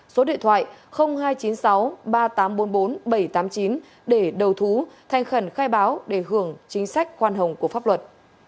số điện thoại hai trăm chín mươi sáu ba nghìn tám trăm bốn mươi bốn bảy trăm tám mươi chín để đầu thú thành khẩn khai báo để hưởng chính sách khoan hồng của pháp luật